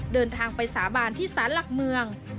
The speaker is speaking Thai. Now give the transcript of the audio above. เดินทางไปสาบานที่สารหลักเมือง